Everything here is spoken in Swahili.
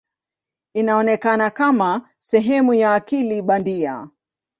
Inaonekana kama sehemu ya akili bandia.